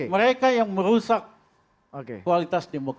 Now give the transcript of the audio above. mereka yang merusak kualitas demokrasi